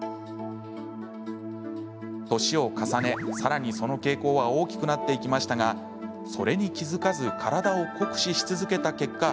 年を重ね、さらにその傾向は大きくなっていきましたがそれに気付かず体を酷使し続けた結果